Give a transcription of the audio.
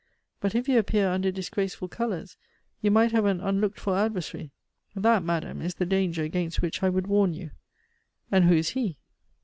But if you appear under disgraceful colors, you might have an unlooked for adversary. That, madame, is the danger against which I would warn you." "And who is he?"